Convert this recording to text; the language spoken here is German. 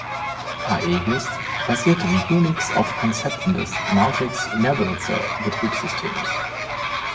Aegis basierte wie Unix auf Konzepten des Multics-Mehrbenutzerbetriebssystems.